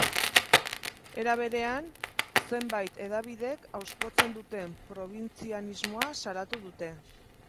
Era berean, zenbait hedabidek auspotzen duten probintzianismoa salatu dute.